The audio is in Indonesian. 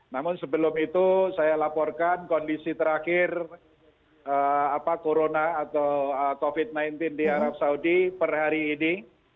namun sebelum itu saya laporkan kondisi terakhir corona atau covid sembilan belas di arab saudi per hari ini